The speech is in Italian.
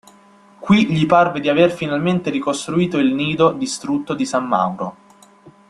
Qui gli parve di aver finalmente ricostituito il "nido" distrutto di San Mauro.